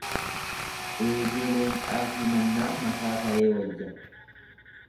Eegee leencaatii mannaa mataa saree wayya.